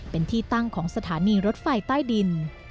เป็นที่ตั้งของสถานีรถไฟใต้ดิน